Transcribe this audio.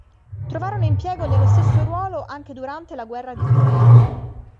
Trovarono impiego nello stesso ruolo anche durante la guerra di Corea.